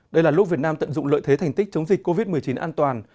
đây là lúc việt nam tận dụng lợi thế thành tích chống dịch covid một mươi chín an toàn